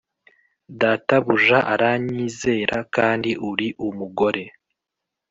Databuja aranyizera kandi uri umugore